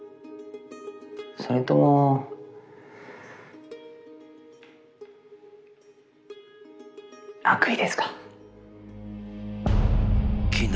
それとも悪意ですか？